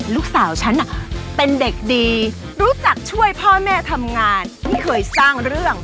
ลูกสาวฉันเป็นเด็กดีรู้จักช่วยพ่อแม่ทำงานไม่เคยสร้างเรื่อง